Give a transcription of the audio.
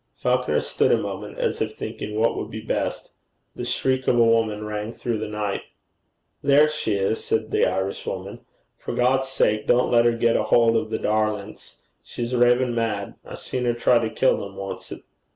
Falconer stood a moment as if thinking what would be best. The shriek of a woman rang through the night. 'There she is!' said the Irishwoman. 'For God's sake don't let her get a hould o' the darlints. She's ravin' mad. I seen her try to kill them oncet.'